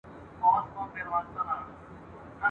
چي ترانې مي ورته ویلې !.